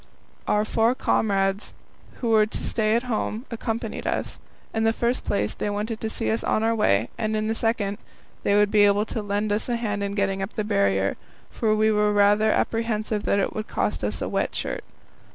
Our four comrades, who were to stay at home, accompanied us. In the first place, they wanted to see us on our way, and in the second, they would be able to lend us a hand in getting up the Barrier, for we were rather apprehensive that it would cost us a wet shirt.